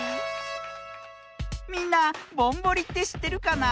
みんなぼんぼりってしってるかな？